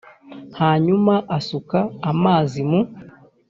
hanyuma asuka amazi mu